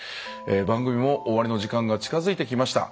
番組も終わりの時間が近づいてきました。